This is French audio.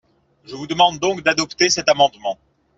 Je vous demande donc d’adopter cet amendement.